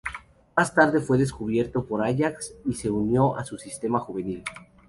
Más tarde fue descubierto por Ajax y se unió a su sistema juvenil.